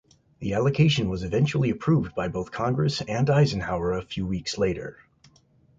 The allocation was eventually approved by both Congress and Eisenhower a few weeks later.